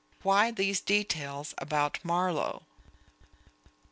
Why these details about Marlowe?